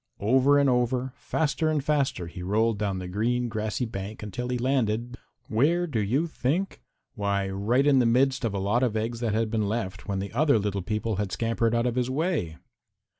Over and over, faster and faster, he rolled down the green, grassy bank until he landed where do you think? Why right in the midst of a lot of eggs that had been left when the other little people had scampered out of his way.